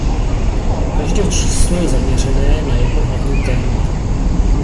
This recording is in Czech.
Každé číslo je zaměřené na jedno hlavní téma.